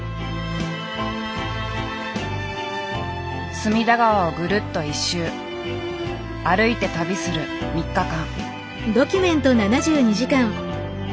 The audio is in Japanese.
隅田川をぐるっと１周歩いて旅する３日間。